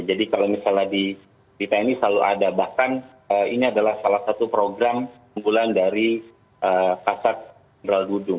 jadi kalau misalnya di bpe ini selalu ada bahkan ini adalah salah satu program keunggulan dari pasar merauk dudung